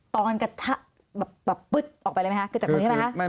ตอนกระทะแบบปึ๊ดออกไปเลยไหมครับ